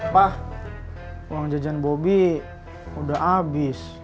pa uang jajan bobby udah abis